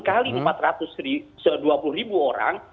kali empat ratus dua puluh ribu orang